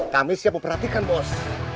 kami siap memperhatikan bos